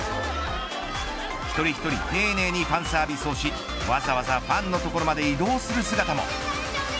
一人一人丁寧にファンサービスをしわざわざファンの所まで移動する姿も。